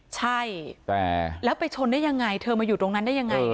ใช่แต่แล้วไปชนได้ยังไงเธอมาอยู่ตรงนั้นได้ยังไง